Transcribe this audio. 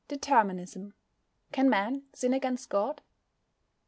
DETERMINISM CAN MAN SIN AGAINST GOD?